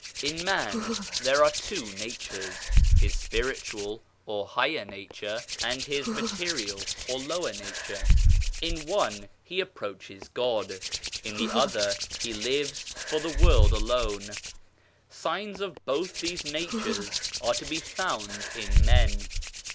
In man there are two natures ; his spiritual or higher nature and his material or lower nature. In one he approaches God, in the other he lives for the world alone. Signs of both these natures are to be found in men.